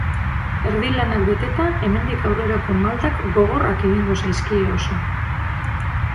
Erdi lanak beteta, hemendik aurrerako maldak gogorrak egingo zaizkie oso.